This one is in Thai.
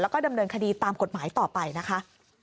แล้วก็ดำเนินคดีตามกฎหมายต่อไปนะคะ